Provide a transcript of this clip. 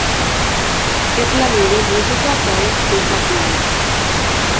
És la millor música que he escoltat mai.